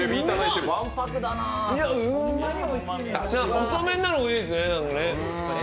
細麺なのがいいですね。